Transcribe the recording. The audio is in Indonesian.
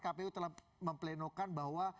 kpu telah memplenokan bahwa